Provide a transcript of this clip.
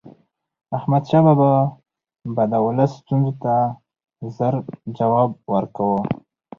احمد شاه بابا به د ولس ستونزو ته ژر جواب ورکاوه.